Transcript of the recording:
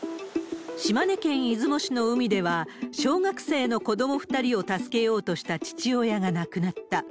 島根県出雲市の海では、小学生の子ども２人を助けようとした父親が亡くなった。